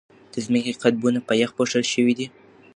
د ځمکې قطبونه په یخ پوښل شوي دي.